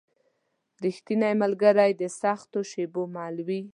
رښتینی ملګری د سختو شېبو مل وي.